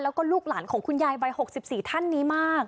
แล้วก็ลูกหลานของคุณยายวัย๖๔ท่านนี้มาก